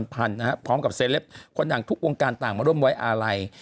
พร้อมกับเซลปคนดังทุกวงการต่างมาร่วมไว้อาลัย